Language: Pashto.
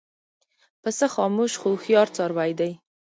پسه خاموش خو هوښیار څاروی دی.